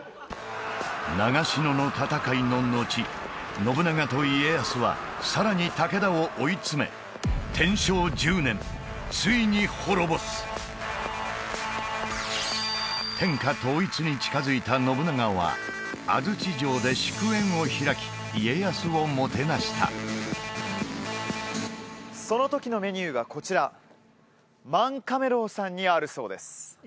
長篠の戦いののち信長と家康はさらに武田を追い詰め天正１０年ついに滅ぼす天下統一に近づいた信長は安土城で祝宴を開き家康をもてなしたその時のメニューがこちら萬亀楼さんにあるそうです